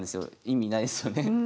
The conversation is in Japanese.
意味ないですよね。